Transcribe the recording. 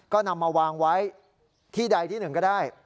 ก็นำมาวางไว้ที่ใดที่หนึ่งก็ได้